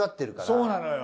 そうなのよ。